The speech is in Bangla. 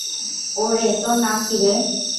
ওরে, তোর নাম কী রে?